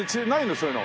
そういうのは。